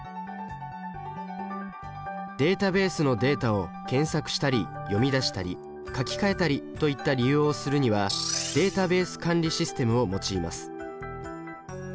データベースのデータを検索したり読み出したり書き換えたりといった利用をするにはデータベース管理システムを用います。